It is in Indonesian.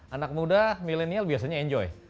anak muda milenial biasanya enjoy